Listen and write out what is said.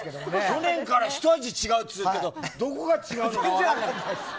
去年から一味違うと言っていたけどどこが違うのか。